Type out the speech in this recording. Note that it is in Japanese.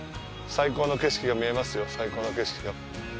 最高の景色が見えますよ、最高の景色が。